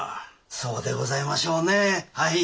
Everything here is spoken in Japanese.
そうでございましょうねぇはい。